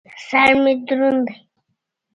سر مې دروند دى.